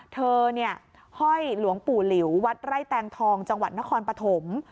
เธอเนี่ยห้อยหลวงปู่หลิววัดไร่แตงทองจังหวัดนครปฐม